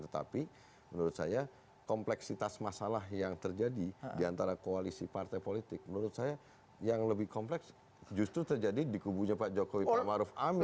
tetapi menurut saya kompleksitas masalah yang terjadi di antara koalisi partai politik menurut saya yang lebih kompleks justru terjadi di kubunya pak jokowi pak maruf amin